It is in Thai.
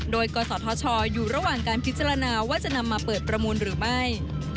โดยกศธชอยู่ระหว่างการพิจารณาว่าจะนำมาเปิดประมูลหรือไม่